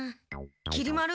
きり丸。